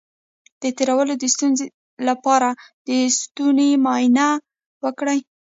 د تیرولو د ستونزې لپاره د ستوني معاینه وکړئ